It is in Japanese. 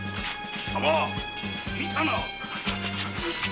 貴様見たな